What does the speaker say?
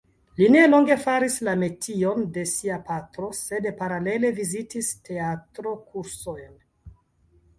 Li nelonge faris la metion de sia patro sed paralele vizitis teatro-kursojn.